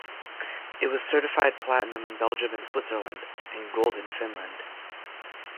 It was certified Platinum in Belgium and Switzerland, and Gold in Finland.